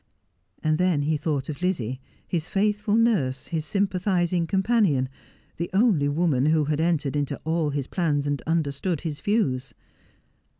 And then he thought of Lizzie, his faithful nurse, his sym 308 Just as I Am. pathizing companion, the only woman who had entered into all his plans and understood his views.